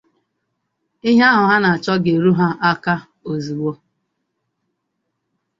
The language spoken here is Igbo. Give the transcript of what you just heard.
ihe ahụ ha na-achọ ga-eru ha aka ozigbo